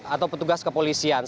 atau petugas kepengenaraan